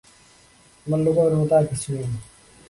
আমার লুকাবার মতো আর কিছু নেই।